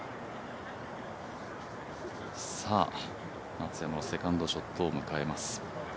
松山のセカンドショットを迎えます。